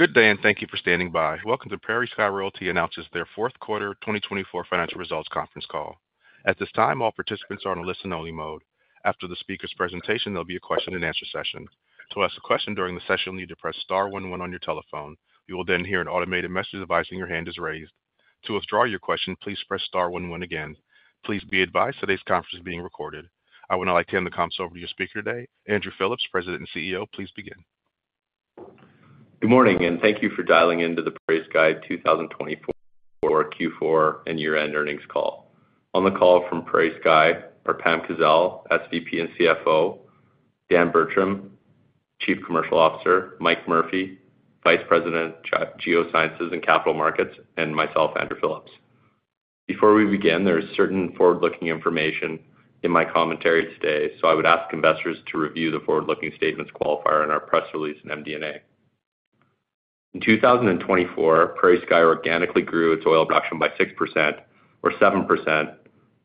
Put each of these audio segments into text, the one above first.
Good day, and thank you for standing by. Welcome to PrairieSky Royalty announces their fourth quarter 2024 financial results conference call. At this time, all participants are on a listen-only mode. After the speaker's presentation, there'll be a question-and-answer session. To ask a question during the session, you need to press star 11 on your telephone. You will then hear an automated message advising your hand is raised. To withdraw your question, please press star one one again. Please be advised today's conference is being recorded. I would now like to hand the call over to your speaker today, Andrew Phillips, President and CEO. Please begin. Good morning, and thank you for dialing into the PrairieSky 2024 Q4 and Year-end Earnings Call. On the call from PrairieSky are Pam Kazeil, SVP and CFO; Dan Bertram, Chief Commercial Officer; Mike Murphy, Vice President, Geosciences and Capital Markets; and myself, Andrew Phillips. Before we begin, there is certain forward-looking information in my commentary today, so I would ask investors to review the forward-looking statements qualifier in our press release and MD&A. In 2024, PrairieSky organically grew its oil production by 6% or 7%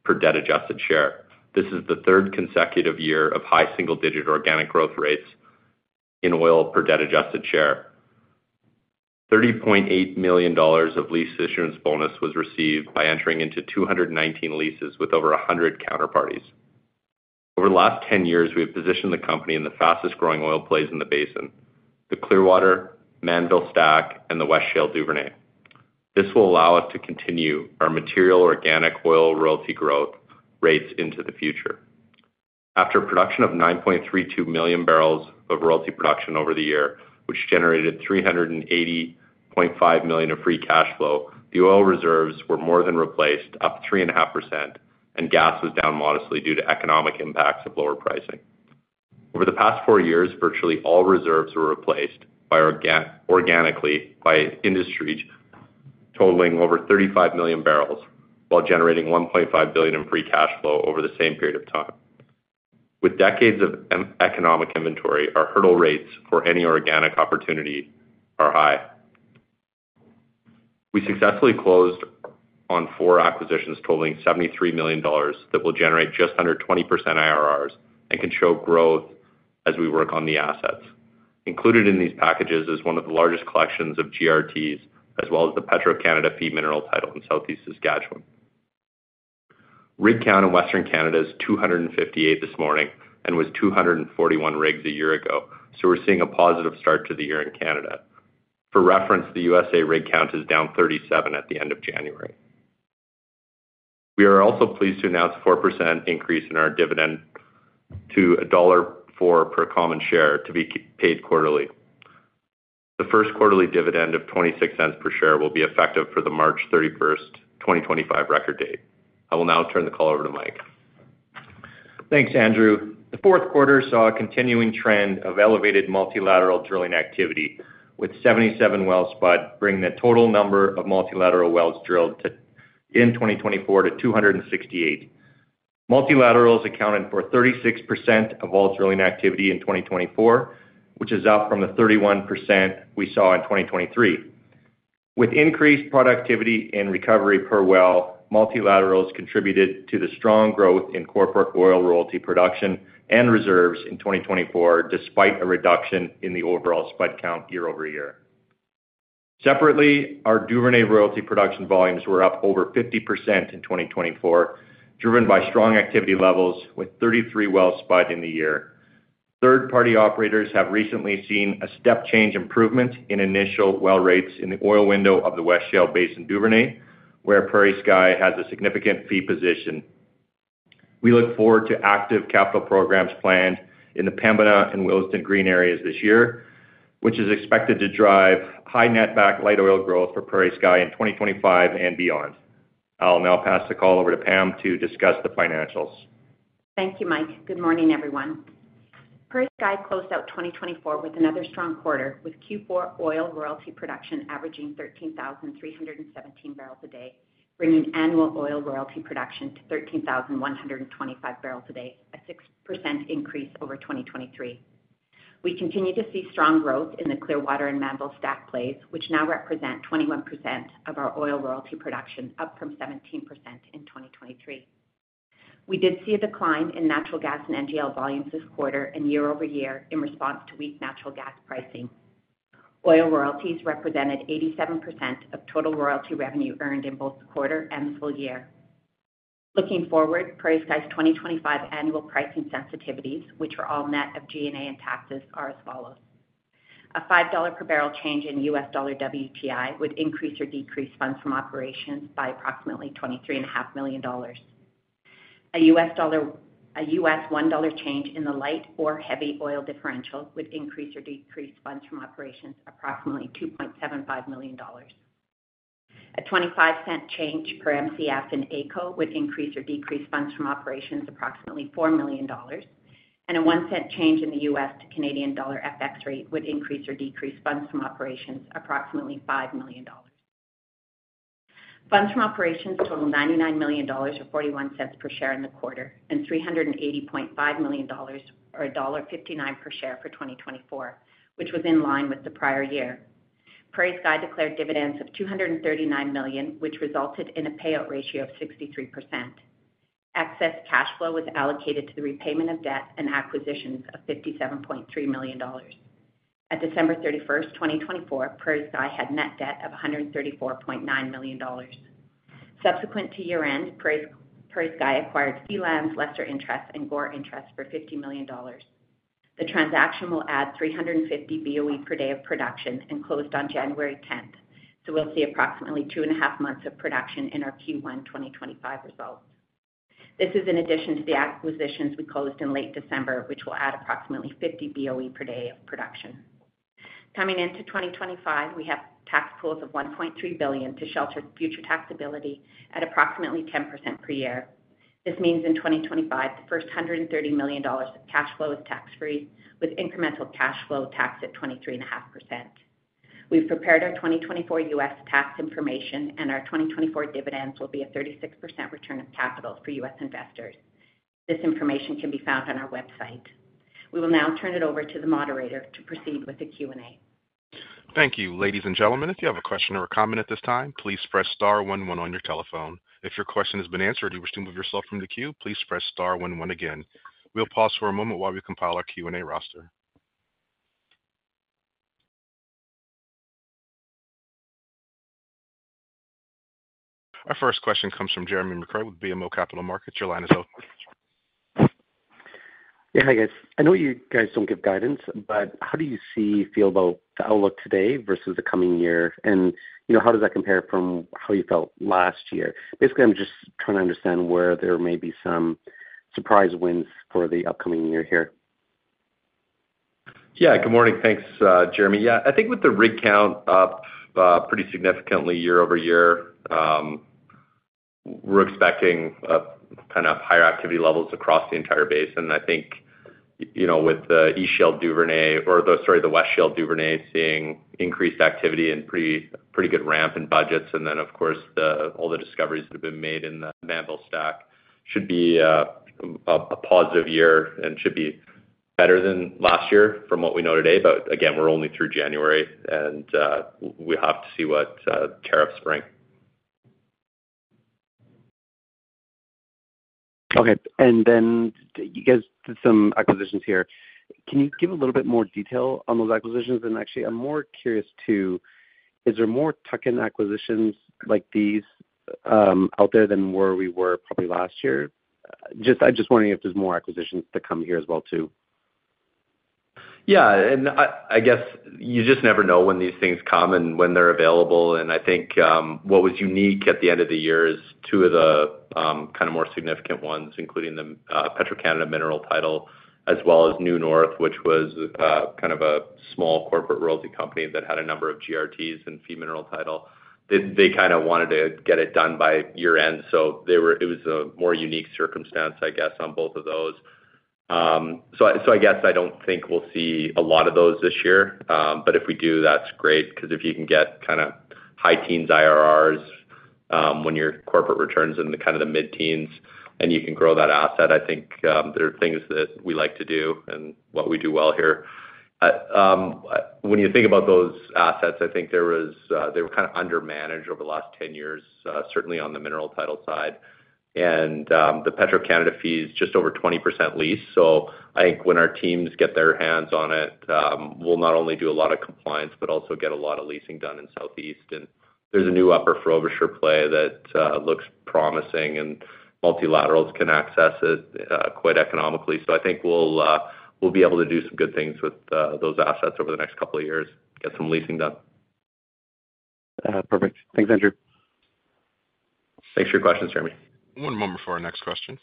per debt-adjusted share. This is the third consecutive year of high single-digit organic growth rates in oil per debt-adjusted share. 30.8 million dollars of lease issuance bonus was received by entering into 219 leases with over 100 counterparties. Over the last 10 years, we have positioned the company in the fastest-growing oil plays in the basin: the Clearwater, Mannville Stack, and the West Shale Duvernay. This will allow us to continue our material organic oil royalty growth rates into the future. After a production of 9.32 million barrels of royalty production over the year, which generated 380.5 million of free cash flow, the oil reserves were more than replaced, up 3.5%, and gas was down modestly due to economic impacts of lower pricing. Over the past four years, virtually all reserves were replaced organically by industry totaling over 35 million barrels while generating 1.5 billion in free cash flow over the same period of time. With decades of economic inventory, our hurdle rates for any organic opportunity are high. We successfully closed on four acquisitions totaling 73 million dollars that will generate just under 20% IRRs and can show growth as we work on the assets. Included in these packages is one of the largest collections of GRTs, as well as the Petro-Canada Fee Mineral Title in Southeast Saskatchewan. Rig count in Western Canada is 258 this morning and was 241 rigs a year ago, so we're seeing a positive start to the year in Canada. For reference, the USA rig count is down 37 at the end of January. We are also pleased to announce a 4% increase in our dividend to dollar 1.04 per common share to be paid quarterly. The first quarterly dividend of 0.26 per share will be effective for the March 31st, 2025, record date. I will now turn the call over to Mike. Thanks, Andrew. The fourth quarter saw a continuing trend of elevated multilateral drilling activity, with 77 wells spudded bringing the total number of multilateral wells drilled in 2024 to 268. Multilaterals accounted for 36% of all drilling activity in 2024, which is up from the 31% we saw in 2023. With increased productivity and recovery per well, multilaterals contributed to the strong growth in corporate oil royalty production and reserves in 2024, despite a reduction in the overall spud count year over year. Separately, our Duvernay royalty production volumes were up over 50% in 2024, driven by strong activity levels with 33 wells spudded in the year. Third-party operators have recently seen a step change improvement in initial well rates in the oil window of the West Shale Basin Duvernay, where PrairieSky has a significant fee position. We look forward to active capital programs planned in the Pamela and Willesden Green areas this year, which is expected to drive high netback light oil growth for PrairieSky in 2025 and beyond. I'll now pass the call over to Pam to discuss the financials. Thank you, Mike. Good morning, everyone. PrairieSky closed out 2024 with another strong quarter, with Q4 oil royalty production averaging 13,317 barrels a day, bringing annual oil royalty production to 13,125 barrels a day, a 6% increase over 2023. We continue to see strong growth in the Clearwater and Mannville Stack plays, which now represent 21% of our oil royalty production, up from 17% in 2023. We did see a decline in natural gas and NGL volumes this quarter and year over year in response to weak natural gas pricing. Oil royalties represented 87% of total royalty revenue earned in both the quarter and the full year. Looking forward, PrairieSky's 2025 annual pricing sensitivities, which are all net of G&A and taxes, are as follows: a $5 per barrel change in US dollar WTI would increase or decrease funds from operations by approximately $23.5 million. A $1 change in the light or heavy oil differential would increase or decrease funds from operations approximately 2.75 million dollars. A 0.25 change per MCF in AECO would increase or decrease funds from operations approximately 4 million dollars, and a 0.01 change in the US to Canadian dollar FX rate would increase or decrease funds from operations approximately 5 million dollars. Funds from operations totaled 99.41 dollars per share in the quarter and 380.5 million dollars or dollar 1.59 per share for 2024, which was in line with the prior year. PrairieSky declared dividends of 239 million, which resulted in a payout ratio of 63%. Excess cash flow was allocated to the repayment of debt and acquisitions of 57.3 million dollars. At December 31st, 2024, PrairieSky had net debt of 134.9 million dollars. Subsequent to year-end, PrairieSky acquired Seal and Lesser Slave interest and Gore interest for 50 million dollars. The transaction will add 350 BOE per day of production and closed on January 10th, so we'll see approximately two and a half months of production in our Q1 2025 results. This is in addition to the acquisitions we closed in late December, which will add approximately 50 BOE per day of production. Coming into 2025, we have tax pools of 1.3 billion to shelter future taxability at approximately 10% per year. This means in 2025, the first 130 million dollars of cash flow is tax-free, with incremental cash flow tax at 23.5%. We've prepared our 2024 U.S. tax information, and our 2024 dividends will be a 36% return of capital for U.S. investors. This information can be found on our website. We will now turn it over to the moderator to proceed with the Q&A. Thank you. Ladies and gentlemen, if you have a question or a comment at this time, please press star one one on your telephone. If your question has been answered or you wish to move yourself from the queue, please press star 11 again. We'll pause for a moment while we compile our Q&A roster. Our first question comes from Jeremy McCrea with BMO Capital Markets. Your line is open. Yeah, hi guys. I know you guys don't give guidance, but how do you see or feel about the outlook today versus the coming year? And how does that compare from how you felt last year? Basically, I'm just trying to understand where there may be some surprise wins for the upcoming year here. Yeah, good morning. Thanks, Jeremy. Yeah, I think with the rig count up pretty significantly year over year, we're expecting kind of higher activity levels across the entire basin. I think with the East Shale Duvernay, or sorry, the West Shale Duvernay, seeing increased activity and pretty good ramp in budgets. And then, of course, all the discoveries that have been made in the Mannville Stack should be a positive year and should be better than last year from what we know today. But again, we're only through January, and we'll have to see what tariffs bring. Okay. And then you guys did some acquisitions here. Can you give a little bit more detail on those acquisitions? And actually, I'm more curious too, is there more tuck-in acquisitions like these out there than where we were probably last year? I'm just wondering if there's more acquisitions to come here as well too? Yeah. And I guess you just never know when these things come and when they're available. And I think what was unique at the end of the year is two of the kind of more significant ones, including the Petro-Canada Fee Mineral Title, as well as New North, which was kind of a small corporate royalty company that had a number of GRTs and Fee Mineral Title. They kind of wanted to get it done by year-end, so it was a more unique circumstance, I guess, on both of those. So I guess I don't think we'll see a lot of those this year, but if we do, that's great because if you can get kind of high teens IRRs when your corporate returns in kind of the mid-teens and you can grow that asset, I think there are things that we like to do and what we do well here. When you think about those assets, I think they were kind of undermanaged over the last 10 years, certainly on the mineral title side, and the Petro-Canada Fee Mineral Title is just over 20% leased. So I think when our teams get their hands on it, we'll not only do a lot of compliance but also get a lot of leasing done in Southeast Saskatchewan, and there's a new upper Frobisher play that looks promising, and multilaterals can access it quite economically, so I think we'll be able to do some good things with those assets over the next couple of years, get some leasing done. Perfect. Thanks, Andrew. Thanks for your questions, Jeremy. One moment for our next question.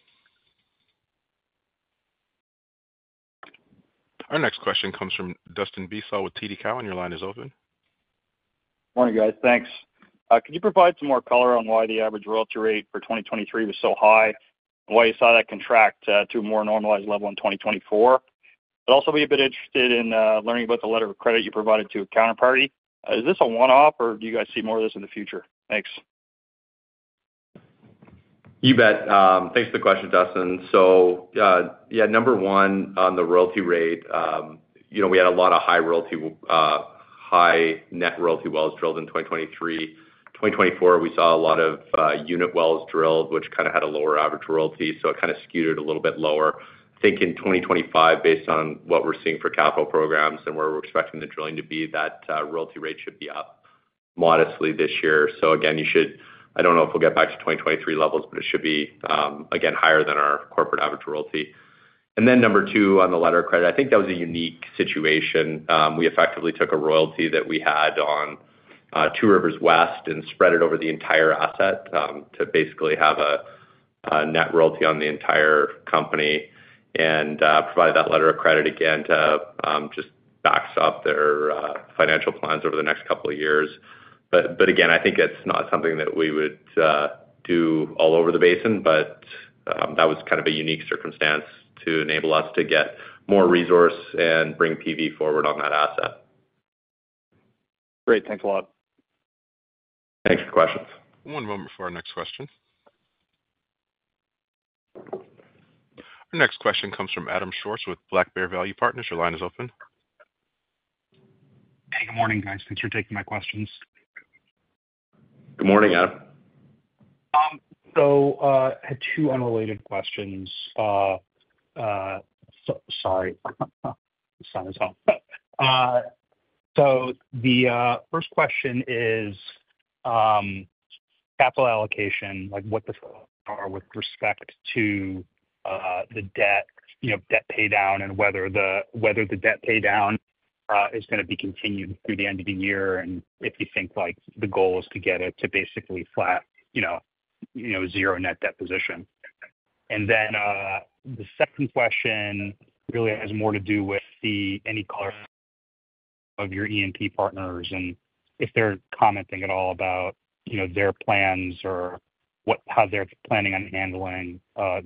Our next question comes from Dustin Besaw with TD Cowen. Your line is open. Morning, guys. Thanks. Could you provide some more color on why the average royalty rate for 2023 was so high and why you saw that contract to a more normalized level in 2024? I'd also be a bit interested in learning about the letter of credit you provided to a counterparty. Is this a one-off, or do you guys see more of this in the future? Thanks. You bet. Thanks for the question, Dustin. So yeah, number one on the royalty rate, we had a lot of high net royalty wells drilled in 2023. In 2024, we saw a lot of unit wells drilled, which kind of had a lower average royalty, so it kind of skewed it a little bit lower. I think in 2025, based on what we're seeing for capital programs and where we're expecting the drilling to be, that royalty rate should be up modestly this year. So again, I don't know if we'll get back to 2023 levels, but it should be, again, higher than our corporate average royalty. And then number two on the letter of credit, I think that was a unique situation. We effectively took a royalty that we had on Two Rivers West and spread it over the entire asset to basically have a net royalty on the entire company and provide that letter of credit again to just backstop their financial plans over the next couple of years. But again, I think it's not something that we would do all over the basin, but that was kind of a unique circumstance to enable us to get more resource and bring PV forward on that asset. Great. Thanks a lot. Thanks for the questions. One moment for our next question. Our next question comes from Adam Schwartz with Black Bear Value Partners. Your line is open. Hey, good morning, guys. Thanks for taking my questions. Good morning, Adam. So I had two unrelated questions. Sorry. The first question is capital allocation, what the flows are with respect to the debt pay down and whether the debt pay down is going to be continued through the end of the year and if you think the goal is to get it to basically flat zero net debt position. And then the second question really has more to do with any color on your E&P partners and if they're commenting at all about their plans or how they're planning on handling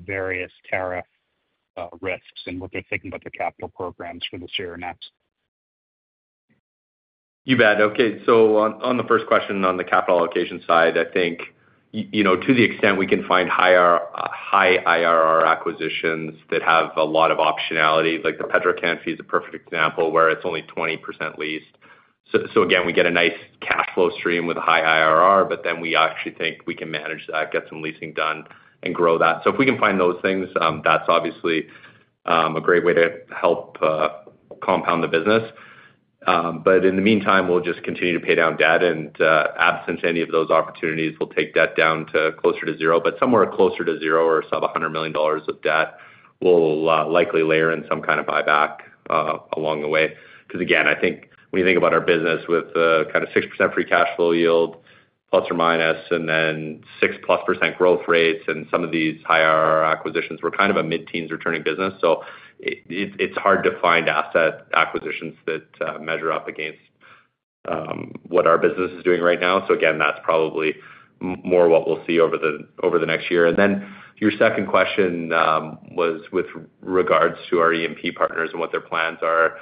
various tariff risks and what they're thinking about their capital programs for this year and next. You bet. Okay, so on the first question on the capital allocation side, I think to the extent we can find high IRR acquisitions that have a lot of optionality, like the Petro-Canada fee is a perfect example where it's only 20% leased, so again, we get a nice cash flow stream with a high IRR, but then we actually think we can manage that, get some leasing done, and grow that, so if we can find those things, that's obviously a great way to help compound the business, but in the meantime, we'll just continue to pay down debt, and absent any of those opportunities, we'll take debt down to closer to zero, but somewhere closer to zero or sub 100 million dollars of debt, we'll likely layer in some kind of buyback along the way. Because again, I think when you think about our business with kind of 6% free cash flow yield, plus or minus, and then 6-plus% growth rates and some of these high IRR acquisitions, we're kind of a mid-teens returning business. So it's hard to find asset acquisitions that measure up against what our business is doing right now. So again, that's probably more what we'll see over the next year. And then your second question was with regards to our E&P partners and what their plans are.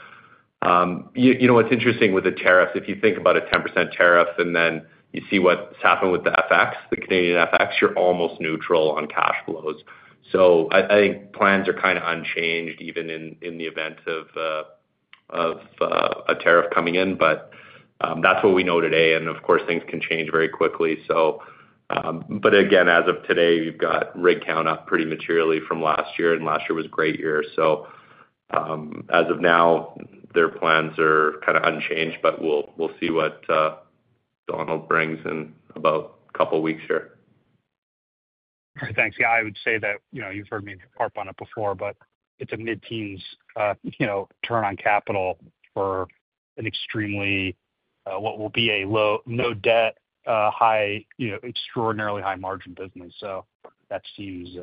You know what's interesting with the tariffs, if you think about a 10% tariff and then you see what's happened with the FX, the Canadian FX, you're almost neutral on cash flows. So I think plans are kind of unchanged even in the event of a tariff coming in, but that's what we know today. Of course, things can change very quickly. Again, as of today, you've got rig count up pretty materially from last year, and last year was a great year. As of now, their plans are kind of unchanged, but we'll see what Donald brings in about a couple of weeks here. All right. Thanks. Yeah, I would say that you've heard me harp on it before, but it's a mid-teens return on capital for an extremely what will be a low no debt, extraordinarily high margin business. So that seems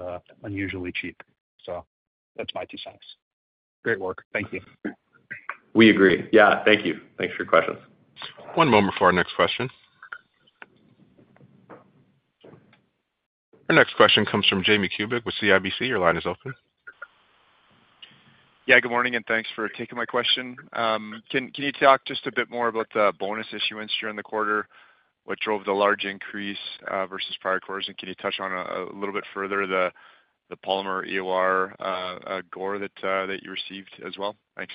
unusually cheap. So that's my two cents. Great work. Thank you. We agree. Yeah. Thank you. Thanks for your questions. One moment for our next question. Our next question comes from Jamie Kubik with CIBC. Your line is open. Yeah, good morning, and thanks for taking my question. Can you talk just a bit more about the lease issuance bonus during the quarter, what drove the large increase versus prior quarters? And can you touch on a little bit further the polymer EOR GRT that you received as well? Thanks.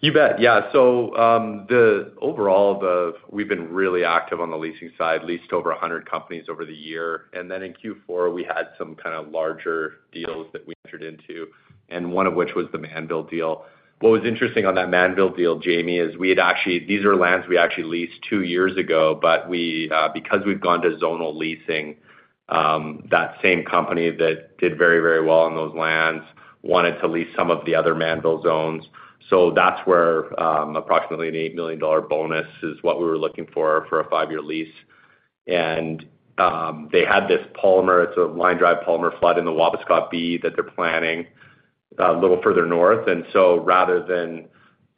You bet. Yeah. So overall, we've been really active on the leasing side, leased over 100 companies over the year. And then in Q4, we had some kind of larger deals that we entered into, and one of which was the Mannville deal. What was interesting on that Mannville deal, Jamie, is we had actually these are lands we actually leased two years ago, but because we've gone to zonal leasing, that same company that did very, very well on those lands wanted to lease some of the other Mannville zones. So that's where approximately 8 million dollar bonus is what we were looking for for a five-year lease. And they had this polymer. It's a line-drive polymer flood in the Wabiskaw B that they're planning a little further north. And so rather than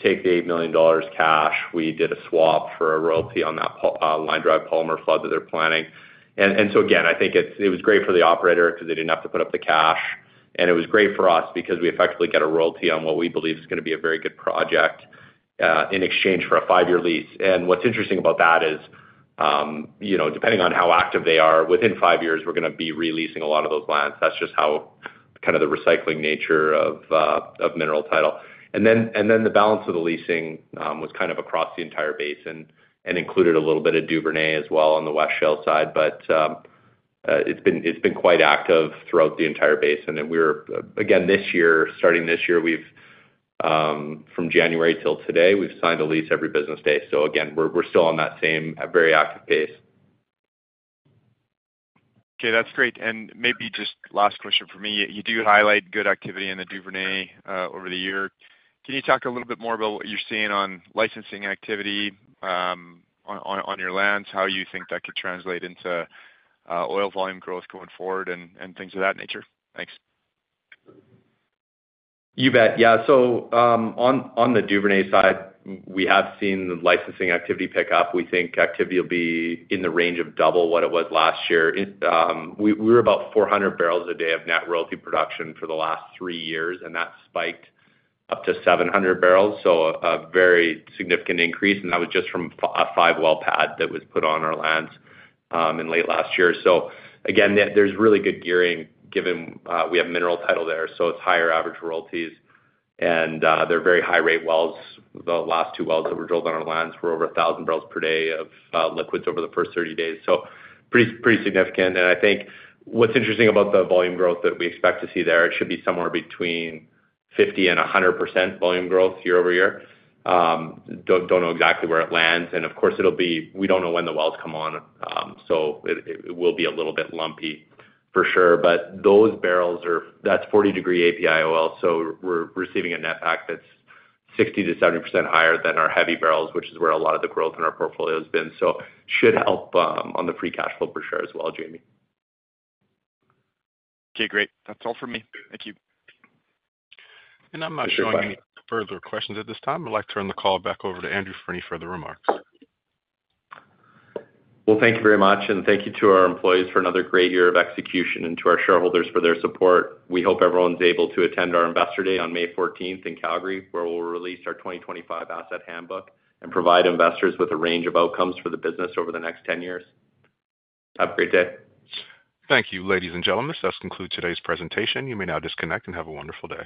take the 8 million dollars cash, we did a swap for a royalty on that line-drive polymer flood that they're planning. And so again, I think it was great for the operator because they didn't have to put up the cash. And it was great for us because we effectively get a royalty on what we believe is going to be a very good project in exchange for a five-year lease. And what's interesting about that is depending on how active they are, within five years, we're going to be releasing a lot of those lands. That's just how kind of the recycling nature of mineral title. And then the balance of the leasing was kind of across the entire basin and included a little bit of Duvernay as well on the West Shale Basin side. But it's been quite active throughout the entire basin. Again, this year, starting this year, from January till today, we've signed a lease every business day. Again, we're still on that same very active pace. Okay. That's great. And maybe just last question for me. You do highlight good activity in the Duvernay over the year. Can you talk a little bit more about what you're seeing on licensing activity on your lands, how you think that could translate into oil volume growth going forward, and things of that nature? Thanks. You bet. Yeah. So on the Duvernay side, we have seen the licensing activity pick up. We think activity will be in the range of double what it was last year. We were about 400 barrels a day of net royalty production for the last three years, and that spiked up to 700 barrels. So a very significant increase. And that was just from a five well pad that was put on our lands in late last year. So again, there's really good gearing given we have mineral title there, so it's higher average royalties. And they're very high-rate wells. The last two wells that were drilled on our lands were over 1,000 barrels per day of liquids over the first 30 days. So pretty significant. And I think what's interesting about the volume growth that we expect to see there, it should be somewhere between 50% and 100% volume growth year over year. Don't know exactly where it lands. And of course, we don't know when the wells come on, so it will be a little bit lumpy for sure. But those barrels, that's 40-degree API oils. So we're receiving a netback that's 60%-70% higher than our heavy barrels, which is where a lot of the growth in our portfolio has been. So it should help on the free cash flow per share as well, Jamie. Okay. Great. That's all for me. Thank you. I'm not showing any further questions at this time. I'd like to turn the call back over to Andrew for any further remarks. Thank you very much. Thank you to our employees for another great year of execution and to our shareholders for their support. We hope everyone's able to attend our investor day on May 14th in Calgary, where we'll release our 2025 asset handbook and provide investors with a range of outcomes for the business over the next 10 years. Have a great day. Thank you, ladies and gentlemen. This does conclude today's presentation. You may now disconnect and have a wonderful day.